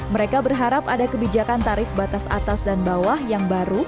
mereka berharap ada kebijakan tarif batas atas dan bawah yang baru